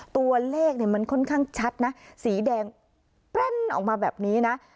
ตัวเลขมันค่อนข้างชัดนะสีแดงแป้นออกมาแบบนี้นะ